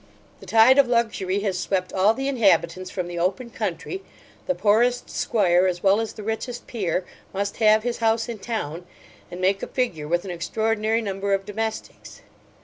The tide of luxury has swept all the inhabitants from the open country The poorest squire, as well as the richest peer, must have his house in town, and make a figure with an extraordinary number of domestics.